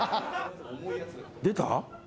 出た？